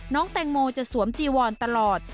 น้องแตงโมจะสวมจีวอนตลอด